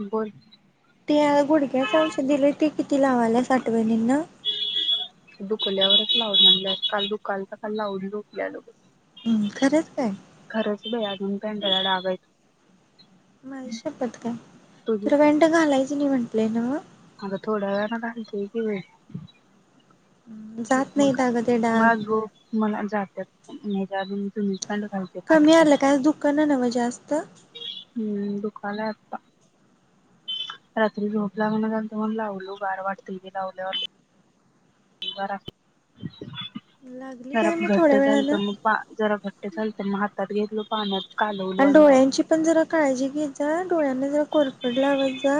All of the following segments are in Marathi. बोल ते गुडघ्याचं औषध दिलीय त किती ती लावालास आठवणींन दुकल्यावरच लाव म्हटल्यात काल दुकालत काल लावून झोपलेलो हम्म खरंच काय खरंच ब आजून [inaudible] माझी शपथ काय तुझी तुला पॅन्ट घालाय ची नाही म्हंटले न्हव अगं थोड्या वेळाने घालते की जात मग नाहीत अगं ते डाग मला जो मला जात नाही तर [unintelligible] तुम्हीच कमी आलं काय दुखना नव्ह जास्त आलय आत्ता रात्री झोप लागना झालती म्हणून लावलो गार वाटतंय ते लावल्यावर लई. बारा [unintelligible] लागली जरा काय मग घट्ट थोड्या झालत वेळानं मग बा जरा घ ट्ट झालत मग हातात घेतलं पाण्यात कालवलो आणि लावलो. डोळ्यांची पण जरा काळजी घेत जा डोळ्यांना जरा कोर कोरफड लावत जा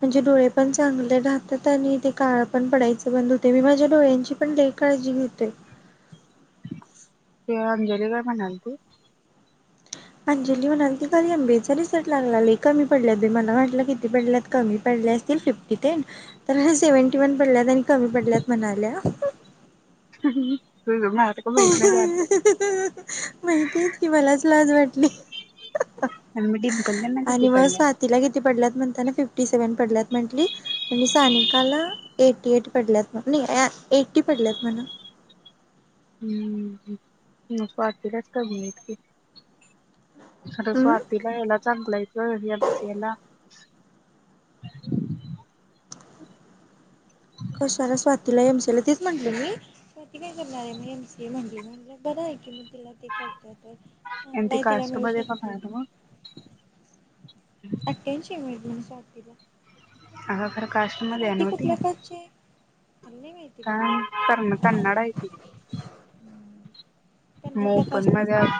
म्हणजे डोळे पण चांगले राहतात आणि ते काळ पण पडायच बंद होतंय बाई माझ्या डोळ्यांची पण काळजी घेतोय. ती अंजली काय म्हणालती. अंजली म्हणालती काल एमबीचा रिझल्ट लागला लई कमी पडल्यात बाई मला म्हटलं किती पडल्यात कमी पडले असतील फिफ्टी तेन तर सेव्हन्टी वन पडल्यात आणि कमी पडल्यात म्हणाल्या. हम्म. माहितीयेत कि मला स- लाज वाटली. आणि मी डिंपलला ना किती आणि म पडल्या स्वातीला किती पडल्यात म्हणताना फिफ फिफ्टी सेव्हन पडल्यात म्हटली आणि सानिकाला एटी एट पडल्यात एटी पडल्यात म्हण. हम्म मग स्वातीला च कमी आहेत की. खर हम्म स्वातीला याला चांगल हैत ग एम सी ए ला. [inaudible] कशाला स्वातीला एम सी ये ला तेच म्हंटल मी स्वाती काय करणार आहे म एम सी ये म्हंटली म्हटलं बरं आहे की म तिला ते करत्या तर आणि चांगल ती हाय तिला कास्ट मिळू मध्ये बघा शकतंय. ना मग आठ्याऐंशी आहे मेरीट म्हण. स्वातीला अगं खरं काष्टमध्ये हाय स्वाती नव्ह ती कुठल्या कास्टची आहे मला नाही माहिती का बाबा करण कन्नड हाय ती. मग कर्नाटकात अस ओपन मध्ये नसतंय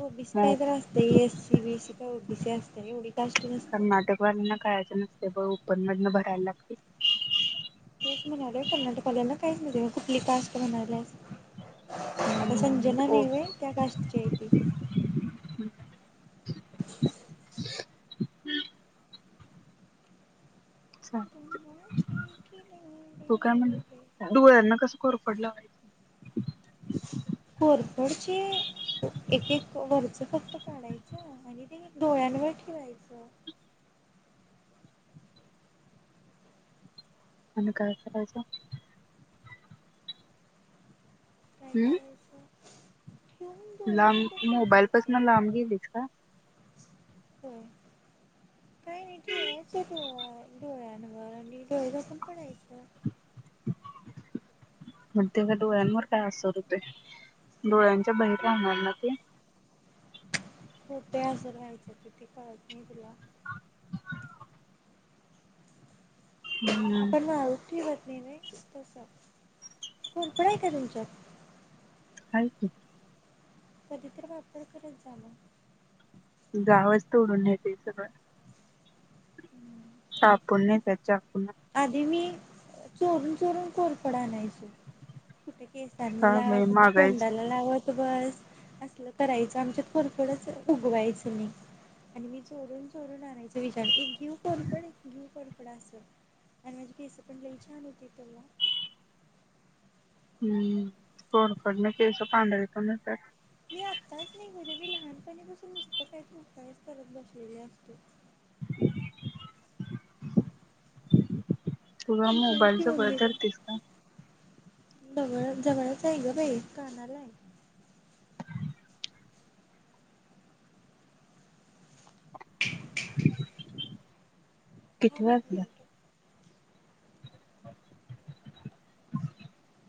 ओ बी सी मग काही तर असतंय एस सी बी सी हो ओबीसी असत्या एवढी असत उडी कर्नाटकवाल्यांना कायचं नसतं. ते पण ओपन मधन भरायला लागतंय. तेच म्हणालोय कर्नाटकवाल्यांना काहीच [unintelligible] कुठली कास्ट म्हणाल्यास आता हम्म संजना नाही व्हय ओके. त्या कास्टची आहे ती तू काय म्हणली डोळ्यांना कसं कोरफड लावायचं? कोरफडचे एक एक वरच फक्त काढायचं आणि ते डोळ्यांवर ठेवायचं. आणि काय करायच. काय हम्म. करायचं ठेवून डोळे झाकून लांब मोबाईलपसन लांब गेलीस का. हो काही नाही ठेवायचं डोळा डोळ्यांवर आणि डोळे झाकून पडायचं. मग ते डोळ्यांवर काय असर होतोय डोळ्यांच्या बाहीर राहणार ना ते. कुठे असं राहायचं तिथे कळत नाही तुला? हम्म आपण मारुटी वर नाही नाही तसं, कोरपड आहे का तुमच्यात? हाय की. कधी तर वापर करत जा मग. गावच तोडून न्हेतय सगळं. उम्म. कापून नेत्यात चा आधी मी चोरून चोरून कोरपड आणायची. कुठ केसांना काय बाई लाव महागाईच तोंडाला लावत बस असलं करायचं आमच्यात कोरफडच उगवायचं नाई आणि मी चोरून चोरून आणायच विचार इग घेवू कोरपड घेवू कोरपड. कड असं आणि माझी केसं पण लई छान होती तेंव्हा. हम्म, कोरफडन केसं पांढरी पण होत्यात. मी आत्ताच नाही बोले मी लहानपणी पासून नुस्तच् कायतर उपायच करत बसलेले असतोय. तुझा विचार की मोबाईलचा उपयोग मम्मीला करतेस का? जवळ जवळच आहे ग बाई कानालाय. किती थांब एक वाजलं मिनिट. [inaudible]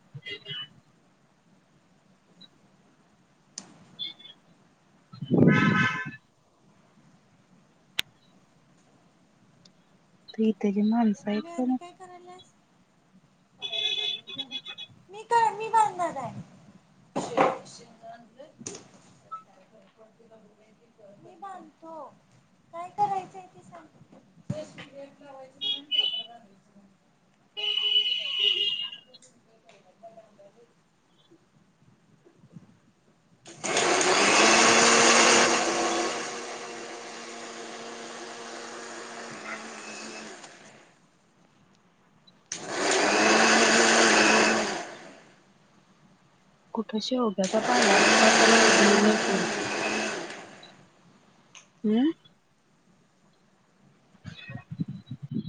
[unintelligible] हीत ये. ते माणस आहेत मी काय आणि ना करायल्यास मी काय मी बांधणाराय, मी बांधतो काय करायचंय ते सांग [unintelligible] [unintelligible] कुठं शेवग्याचा पाला असला तर घेऊन ये की. हम्म? [unintelligible]